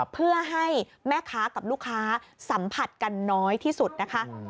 เพื่อให้แม่ค้ากับลูกค้าสัมผัสกันน้อยที่สุดนะคะ